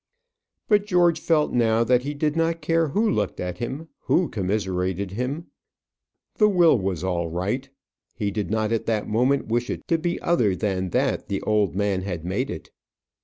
But George felt now that he did not care who looked at him, who commiserated him. The will was all right. He did not at that moment wish it to be other than that the old man had made it.